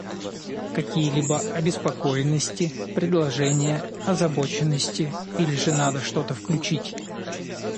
Какие-либо обеспокоенности, предложения, озабоченности, или же надо что-то включить?